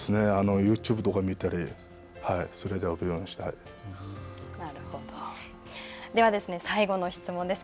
ユーチューブとか見たり、それでではですね、最後の質問です。